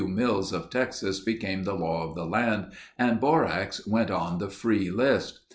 Mills of Texas became the law of the land and borax went on the free list.